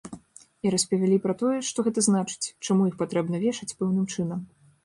І распавялі пра тое, што гэта значыць, чаму іх патрэбна вешаць пэўным чынам.